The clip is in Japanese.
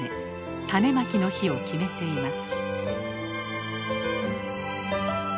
種まきの日を決めています。